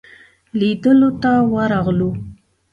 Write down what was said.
لیدلو ته ورغلو.